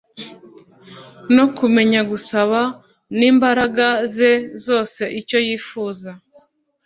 no kumenya gusaba n'imbaraga ze zose icyo yifuza